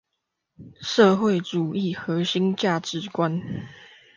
社會主義核心價值觀